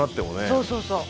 そうそうそう。